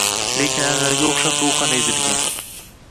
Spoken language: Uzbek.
Lekin Anvarga o’xshab ruhan ezilgan